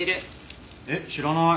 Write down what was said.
えっ知らない。